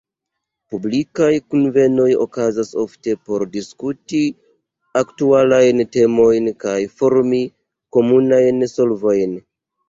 Publikaj kunvenoj okazas ofte por diskuti aktualajn temojn kaj formi komunajn solvojn.